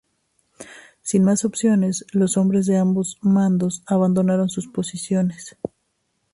Sin más opciones, los hombres de ambos mandos abandonaron sus posiciones.